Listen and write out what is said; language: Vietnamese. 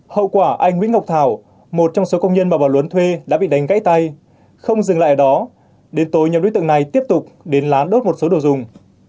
hậu quả anh nguyễn ngọc thảo một trong số công nhân mà bà lung thuê đã bị đánh gãy tay không dừng lại ở đó đến tối nhóm đối tượng này tiếp tục đến lán đốt một số đồ dùng